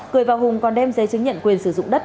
cười và hùng còn đem giấy chứng nhận quyền sử dụng đất